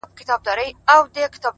زما افغان ضمير له کاڼو جوړ گلي